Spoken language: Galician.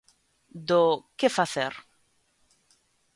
Do "Que facer"?